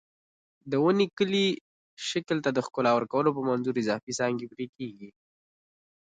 د ونې کلي شکل ته د ښکلا ورکولو په منظور اضافي څانګې پرې کېږي.